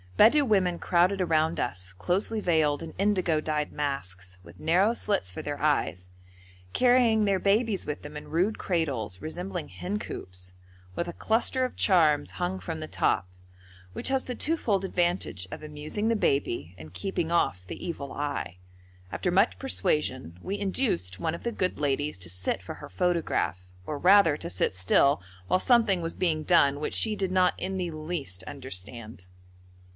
Bedou women crowded around us, closely veiled in indigo dyed masks, with narrow slits for their eyes, carrying their babies with them in rude cradles resembling hencoops, with a cluster of charms hung from the top, which has the twofold advantage of amusing the baby and keeping off the evil eye. After much persuasion we induced one of the good ladies to sit for her photograph, or rather to sit still while something was being done which she did not in the least understand.